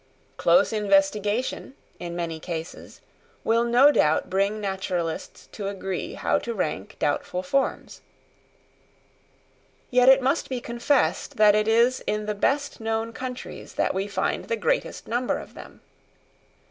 Close investigation, in many cases, will no doubt bring naturalists to agree how to rank doubtful forms. Yet it must be confessed that it is in the best known countries that we find the greatest number of them.